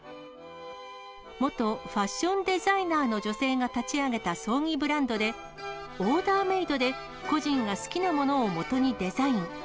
元ファッションデザイナーの女性が立ち上げた葬儀ブランドで、オーダーメードで故人が好きなものをもとにデザイン。